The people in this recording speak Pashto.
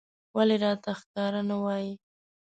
ولې راته ښکاره نه وايې